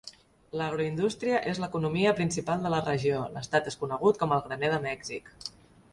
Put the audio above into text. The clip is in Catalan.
L'agroindústria és l'economia principal de la regió; l'estat és conegut com el graner de Mèxic.